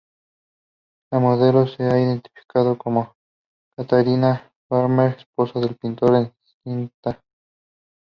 La modelo se ha identificado como Catharina Vermeer, esposa del pintor, encinta.